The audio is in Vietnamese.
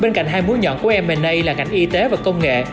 bên cạnh hai múi nhọn của m a là ngành y tế và công nghệ